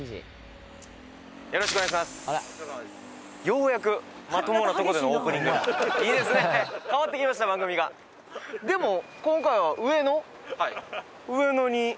ようやくまともなとこでのオープニングいいですね変わってきました番組がでも今回は上野？